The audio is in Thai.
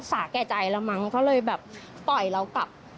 สาแก่ใจแล้วมั้งเขาเลยแบบปล่อยเรากลับ